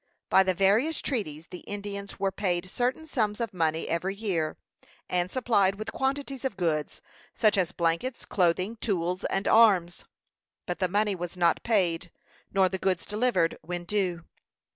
By the various treaties, the Indians were paid certain sums of money every year, and supplied with quantities of goods, such as blankets, clothing, tools, and arms. But the money was not paid, nor the goods delivered, when due.